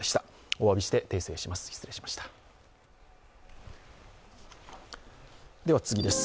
お詫びして訂正します。